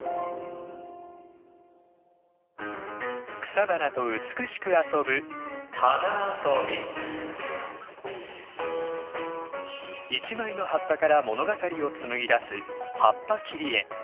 草花と美しく遊ぶ一枚の葉っぱから物語を紡ぎ出す葉っぱ切り絵。